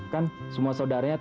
kan semua saudaranya tujuh